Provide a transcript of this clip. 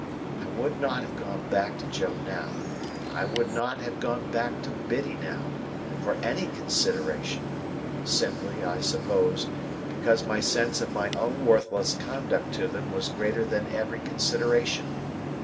I would not have gone back to Joe now, I would not have gone back to Biddy now, for any consideration; simply, I suppose, because my sense of my own worthless conduct to them was greater than every consideration.